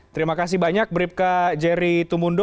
terima kasih banyak bribka jerry tumundo